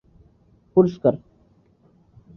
বৈজ্ঞানিক অর্জনের জন্য সোসাইটির সর্বোচ্চ পুরস্কার এটি।